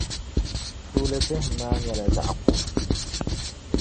Tuuli bihim maa nyɛla zaɣ' kɔm.